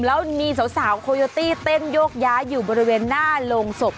แล้วมีสาวโคโยตี้เต้นโยกย้ายอยู่บริเวณหน้าโรงศพ